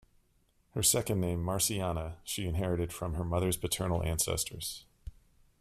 Her second name "Marciana" she inherited from her mother's paternal ancestors.